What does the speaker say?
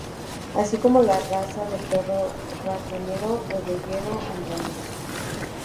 Así como la raza de perro Ratonero bodeguero andaluz.